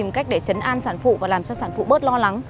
bác đi nhanh giúp cháu ơi